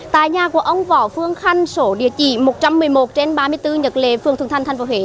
tại nhà của ông võ phương khanh sổ địa chỉ một trăm một mươi một trên ba mươi bốn nhật lệ phường thuận thành tp huế